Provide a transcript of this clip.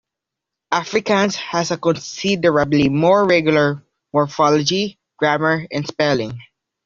Afrikaans has a considerably more regular morphology, grammar, and spelling.